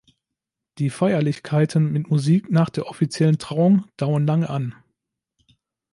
Die Feierlichkeiten mit Musik nach der offiziellen Trauung dauern lange an.